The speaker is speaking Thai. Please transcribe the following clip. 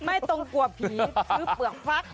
ไม่ต้องกลัวผีซื้อเปลือกฟัก